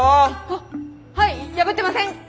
あっはい破ってません！